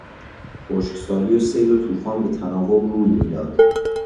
خشکسالی و سیل و توفان به تناوب روی میداد.